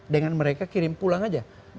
dengan mereka kirim pulang aja